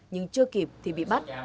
nhưng chưa kịp thì bị bắt